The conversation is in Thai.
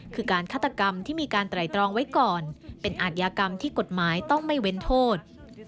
คือการฆาตกรรมที่มีการไตรตรองไว้ก่อนเป็นอาทยากรรมที่กฎหมายต้องไม่เว้นโทษ